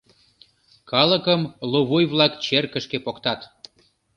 Калыкым лувуй-влак черкышке поктат.